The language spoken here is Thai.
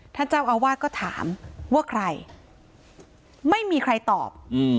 ท่านเจ้าอาวาสก็ถามว่าใครไม่มีใครตอบ